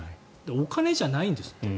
お金じゃないんですって。